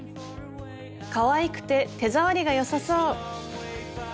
かわいくて手触りが良さそう。